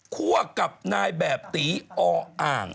คั่วกับนายแบบตีอ้ออ่าง